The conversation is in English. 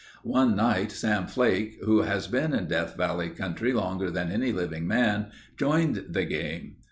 One night Sam Flake who has been in Death Valley country longer than any living man, joined the game.